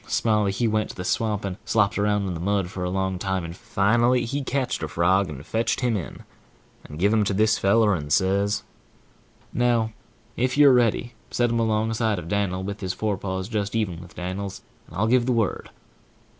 Smiley he went to the swamp and slopped around in the mud for a long time, and finally he ketched a frog, and fetched him in, and give him to this feller, and says: "Now, if you're ready, set him alongside of Dan'l, with his fore paws just even with Dan'l and I'll give the word."